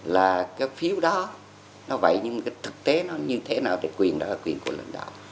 là cái phiếu đó nó vậy nhưng cái thực tế nó như thế nào về quyền đó là quyền của lãnh đạo